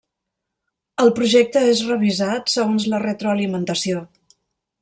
El projecte és revisat segons la retroalimentació.